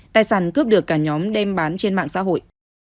tài sản cướp được cả nhóm đem bán trên mạng xã hội